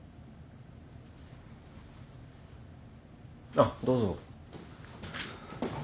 あっどうぞ。